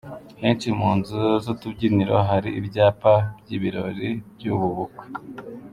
Henshi mu nzu z’utubyiniro hari ibyapa by’ibirori by’ubu bukwe.